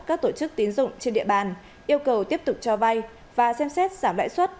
các tổ chức tín dụng trên địa bàn yêu cầu tiếp tục cho vay và xem xét giảm lãi suất